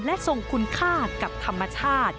และทรงคุณค่ากับธรรมชาติ